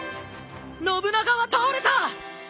信長は倒れた！